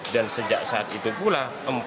dan sejak saat itu pula